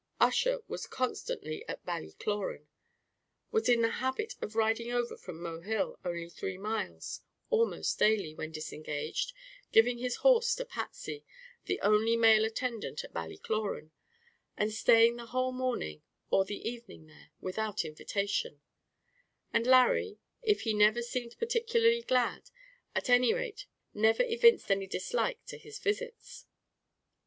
Ussher was constantly at Ballycloran, was in the habit of riding over from Mohill, only three miles, almost daily, when disengaged, giving his horse to Patsy, the only male attendant at Ballycloran, and staying the whole morning, or the evening, there, without invitation; and Larry, if he never seemed particularly glad, at any rate never evinced any dislike to his visits.